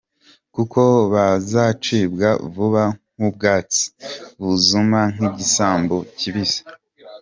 Kuko bazacibwa vuba nk’ubwatsi, Bazuma nk’igisambu kibisi.